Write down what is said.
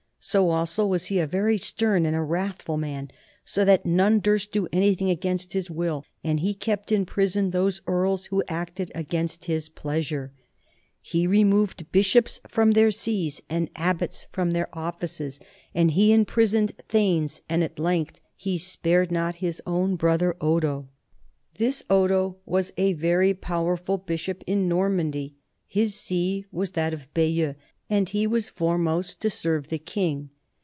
So also, was he a very stern and a wrathful man, so that none durst do anything against his will, and he kept in prison those earls who acted against his pleasure. He removed bishops from their sees, and abbots from their offices, and 1 Translated by Giles (London, 1847), pp. 461 63. NORMANDY AND ENGLAND 57 he imprisoned thanes, and at length he spared not his own brother Odo. This Odo was a very powerful bishop in Nor mandy, his see was that of Bayeux, and he was foremost to serve the king.